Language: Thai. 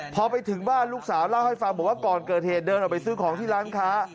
พอไปถึงบ้านลูกสาวเล่าให้ฟังบอกว่าก่อนเกิดเหตุเดินออกไปซื้อของที่ร้านค้า